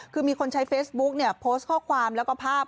คือมีคนใช้เฟซบุ๊กเนี่ยโพสต์ข้อความแล้วก็ภาพ